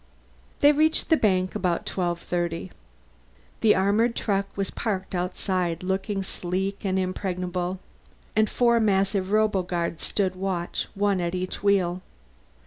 They reached the bank about 1230. The armored truck was parked outside, looking sleek and impregnable, and four massive roboguards stood watch, one by each wheel.